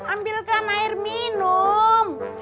ambilkan air minum